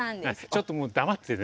ちょっともう黙ってて。